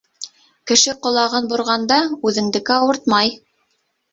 Кеше ҡолағын борғанда, үҙеңдеке ауыртмай.